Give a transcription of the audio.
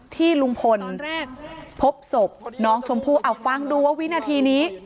ที่ลุงพลพบศพน้องชมพู่เอาฟังดูว่าวินาทีนี้